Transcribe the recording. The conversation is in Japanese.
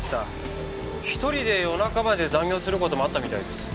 一人で夜中まで残業する事もあったみたいです。